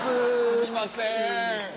すいません。